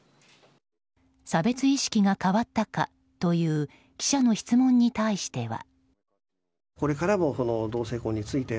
差別意識が変わったかという記者の質問に対しては。